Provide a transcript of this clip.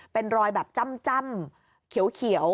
เป็นรอยแบบจ้ำเขียว